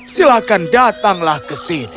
silakan datanglah ke sini